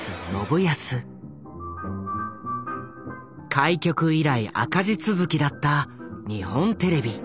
開局以来赤字続きだった日本テレビ。